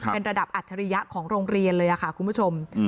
เป็นระดับอัจฉริยะของโรงเรียนเลยค่ะคุณผู้ชม